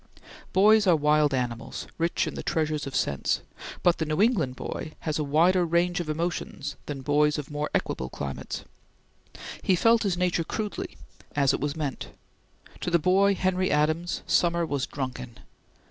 Boys are wild animals, rich in the treasures of sense, but the New England boy had a wider range of emotions than boys of more equable climates. He felt his nature crudely, as it was meant. To the boy Henry Adams, summer was drunken.